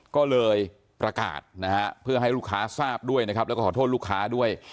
ก็เลยประกาศนะฮะเพื่อให้ลูกค้าทราบด้วยนะครับแล้วก็ขอโทษลูกค้าด้วย